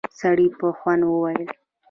سړي په خوند وويل: